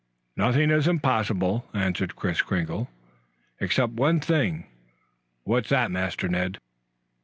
"Nothing is impossible," answered Kris Kringle. "Except one thing." "What's that, Master Ned?"